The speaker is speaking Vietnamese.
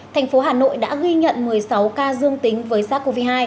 thành phố hà nội đã ghi nhận một mươi sáu ca dương tính với sars cov hai